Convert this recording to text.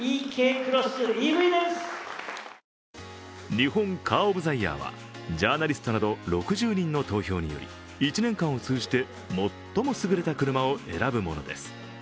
日本カー・オブ・ザ・イヤーはジャーナリストなど６０人の投票により１年間を通じて最も優れた車を選ぶものです。